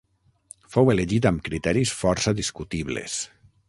Fou elegit amb criteris força discutibles.